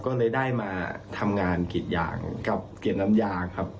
ก็เลยได้มาทำงานกรีดยางกับเกรดน้ำยาครับ